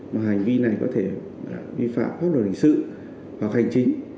mà hành vi này có thể vi phạm pháp luật hình sự hoặc hành chính